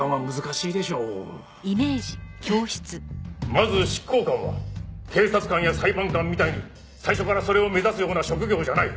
まず執行官は警察官や裁判官みたいに最初からそれを目指すような職業じゃない。